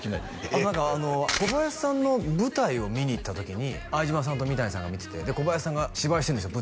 あと何か小林さんの舞台を見に行った時に相島さんと三谷さんが見てて小林さんが芝居してるんですよ